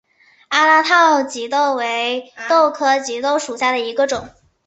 阿拉套棘豆为豆科棘豆属下的一个种。